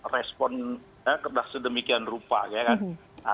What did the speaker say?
responnya sedemikian rupa